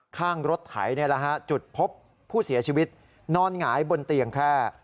ข้างรถไถจุดพบผู้เสียชีวิตนอนหงายบนเตียงแคร่